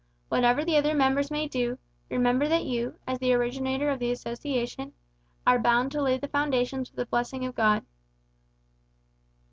Whatever the other members may do, remember that you, as the originator of the association, are bound to lay the foundations with the blessing of God."